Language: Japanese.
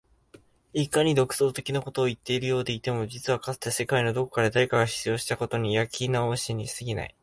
いかに独創的なことを言っているようでいても実はかつて世界のどこかで誰かが主張したことの焼き直しに過ぎない